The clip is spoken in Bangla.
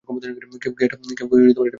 কেউ এটা কী বলতে পারবে?